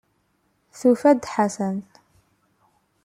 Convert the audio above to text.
Tufa-d Ḥasan.